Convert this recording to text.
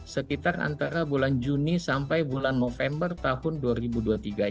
sekitar antara bulan juni sampai bulan november tahun dua ribu dua puluh tiga ini